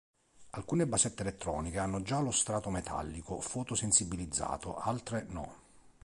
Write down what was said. Alcune basette elettroniche hanno già lo strato metallico foto-sensibilizzato, altre no.